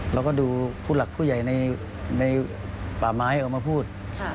เราก็ดูผู้หลักผู้ใหญ่ในป่าไม้ออกมาพูด